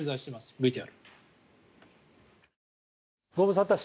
ＶＴＲ。